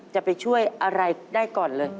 จะไปช่วยอะไรได้ก่อนเลย